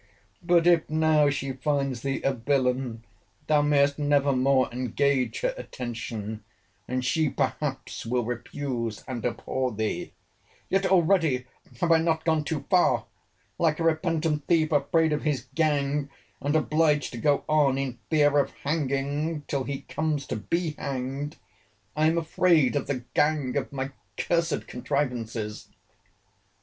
But if now she finds thee a villain, thou mayest never more engage her attention, and she perhaps will refuse and abhor thee. "Yet already have I not gone too far? Like a repentant thief, afraid of his gang, and obliged to go on, in fear of hanging till he comes to be hanged, I am afraid of the gang of my cursed contrivances.